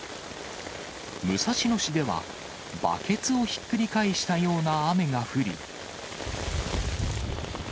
武蔵野市では、バケツをひっくり返したような雨が降り。